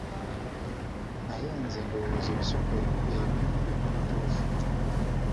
Naye nze ndowooza ebisoko ebyo byonna bituufu.